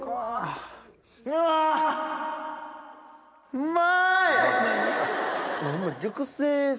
うまい！